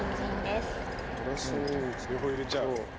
両方入れちゃう？